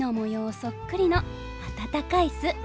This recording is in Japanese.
そっくりの温かい巣。